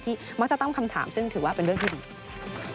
มักจะตั้งคำถามซึ่งถือว่าเป็นเรื่องที่ดี